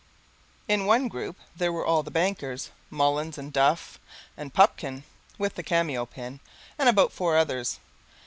In one group there were all the bankers, Mullins and Duff and Pupkin (with the cameo pin), and about four others.